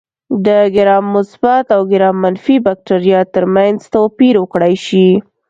د ګرام مثبت او ګرام منفي بکټریا ترمنځ توپیر وکړای شي.